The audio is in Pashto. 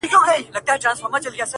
• د اهریمن د اولادونو زانګو,